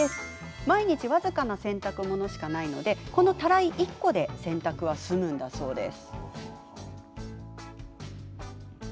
毎日、僅かな洗濯物しかないためこのたらい１個で洗濯は済むんだそうです。